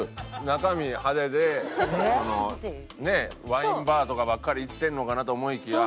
中身派手でそのねえワインバーとかばっかり行ってるのかなと思いきや。